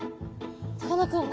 さかなクン